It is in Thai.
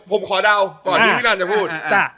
ผมขอเดาก่อนที่พี่รันจะพูด